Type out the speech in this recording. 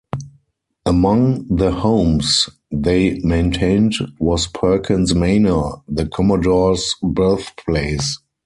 Among the homes they maintained was Perkins Manor, the commodore's birthplace.